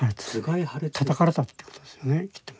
たたかれたってことですよねきっと。